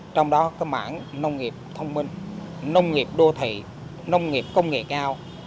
trong đó cái mảng nông nghiệp thông minh nông nghiệp đô thị nông nghiệp công nghệ cao